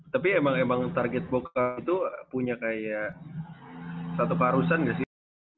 tapi emang emang target buka itu punya kayak satu keharusan gak sih